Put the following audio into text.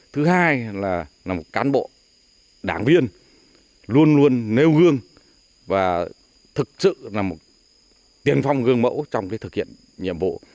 thứ hai là một cán bộ đảng viên luôn luôn nêu gương và thực sự là một tiền phong gương mẫu trong thực hiện nhiệm vụ